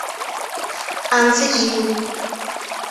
Aunty Ji